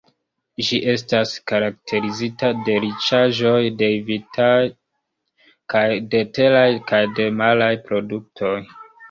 Ĝi estas karakterizita de riĉaĵoj derivitaj kaj de teraj kaj de maraj produktoj.